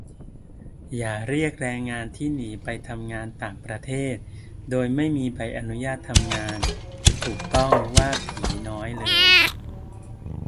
อย่าเรียกแรงงานที่หนีไปทำงานต่างประเทศโดยไม่มีใบอนุญาตทำงานถูกต้องว่า "ผีน้อย" เลย